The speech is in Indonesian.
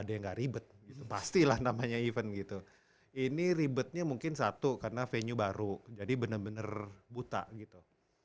ada yang gak ribet pastilah namanya event gitu ini ribetnya mungkin satu karena venue baru jadi bener bener buta gitu